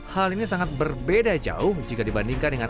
hal ini sangat berbeda jauh jika dibandingkan dengan